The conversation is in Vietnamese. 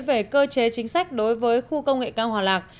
về cơ chế chính sách đối với khu công nghệ cao hòa lạc